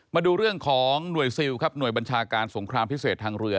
มาดูเรื่องของหน่วยซิลครับหน่วยบัญชาการสงครามพิเศษทางเรือ